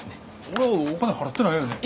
俺はお金払ってないよね。